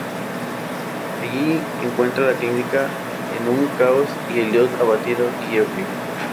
Allí encuentra la clínica en un caos y Elliot abatido y ebrio.